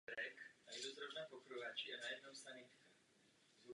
Úřad spadá pod Spolkové ministerstvo vnitra.